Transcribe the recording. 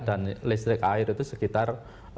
dan listrik air itu sekitar dua belas